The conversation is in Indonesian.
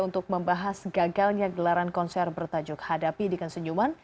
untuk membahas gagalnya gelaran konser bertajuk hadapi dengan senyuman